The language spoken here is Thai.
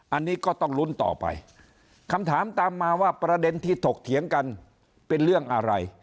อันนี้ก็ต้องลุ้นต่อไปคำถามตามมาว่าประเด็นที่ถกเถียงกันเป็นเรื่องอะไร